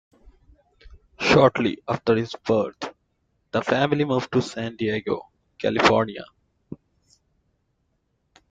Shortly after his birth, the family moved to San Diego, California.